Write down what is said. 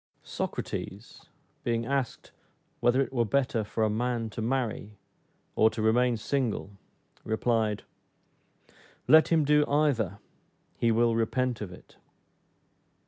Socrates, being asked, whether it were better for a man to marry, or to remain single, replied, "Let him do either, he will repent of it."